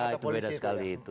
nah itu beda sekali itu